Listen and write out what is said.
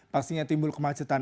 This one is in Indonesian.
pastinya timbul kemacetan